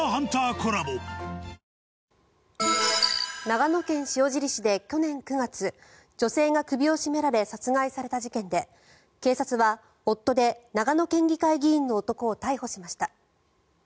長野県塩尻市で去年９月女性が首を絞められ殺害された事件で警察は夫で長野県議会議員の男を逮捕しました。